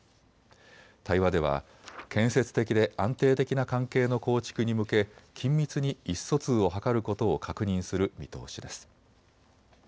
対話では建設的で安定的な関係の構築に向け緊密に意思疎通を図ることを確認する見通しです。